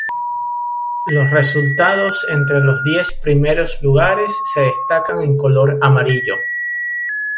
Los resultados entre los diez primeros lugares se destacan en color amarillo.